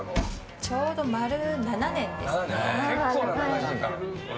ちょうど丸７年ですね。